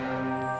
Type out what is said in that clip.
ya udah om baik